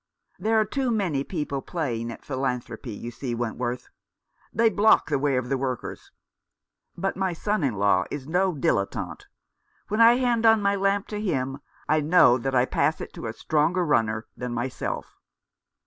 There are too many people playing at philanthropy, you see, Wentworth. They block 364 A New Development. the way of the workers. But my son in law is no dilettante. When I hand on my lamp to him I know that I pass it to a stronger runner than myself."